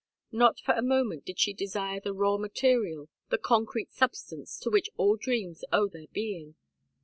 Not for a moment did she desire the raw material, the concrete substance, to which all dreams owe their being.